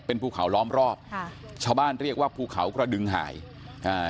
เป็นภูเขาล้อมรอบค่ะชาวบ้านเรียกว่าภูเขากระดึงหายอ่า